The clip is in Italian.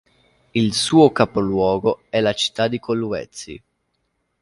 Il suo capoluogo è la città di Kolwezi.